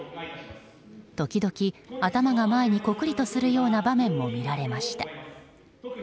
時々、頭が前にこくりとするような場面も見られました。